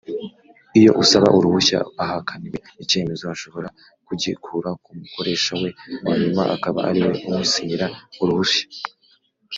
Iyo usaba uruhushya ahakaniwe icyemezo ashobora kugikura ku mukoresha we wa nyuma akaba ariwe umusinyira uruhushya.